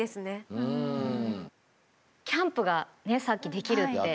キャンプがさっきできるって。